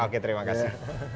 oke terima kasih